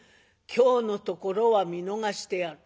今日のところは見逃してやる。